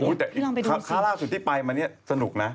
โอ้แต่ข้าร่าสุดที่ไปมันสนุกนะ